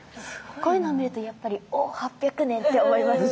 こういうのを見るとやっぱり「お８００年！」って思います。